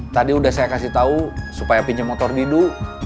tadi udah saya kasih tau supaya pinjem motor didu